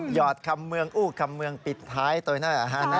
หยอดคำเมืองอู้กคำเมืองปิดท้ายตัวเนื้ออาหารนะ